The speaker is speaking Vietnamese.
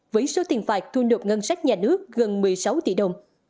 với số tiền phạt thu nộp ngân sách nhà nước gần một mươi sáu tỷ đồng